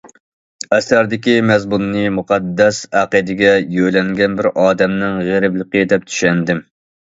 ئەسەردىكى مەزمۇننى‹‹ مۇقەددەس ئەقىدىگە يۆلەنگەن بىر ئادەمنىڭ غېرىبلىقى›› دەپ چۈشەندىم.